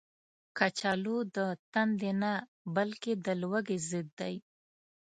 کچالو د تندې نه، بلکې د لوږې ضد دی